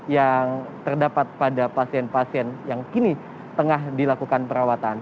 yang terdapat pada pasien pasien yang kini tengah dilakukan perawatan